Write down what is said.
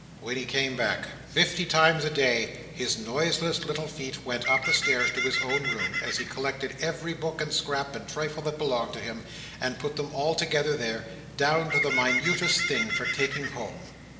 When he came back! Fifty times a day, his noiseless little feet went up the stairs to his own room, as he collected every book, and scrap, and trifle that belonged to him, and put them all together there, down to the minutest thing, for taking home!